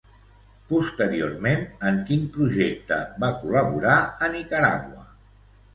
Posteriorment, en quin projecte va col·laborar a Nicaragua?